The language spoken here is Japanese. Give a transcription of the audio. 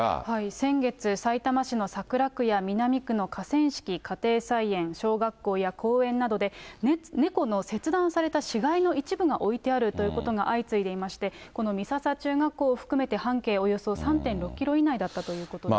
先月、さいたま市の桜区や南区の河川敷、家庭菜園、小学校や公園などで、猫の切断された死骸の一部が置いてあるということが相次いでいまして、この美笹中学校を含めて、半径およそ３．６キロ以内だったということです。